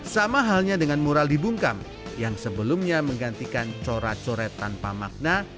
sama halnya dengan mural dibungkam yang sebelumnya menggantikan corak coret tanpa makna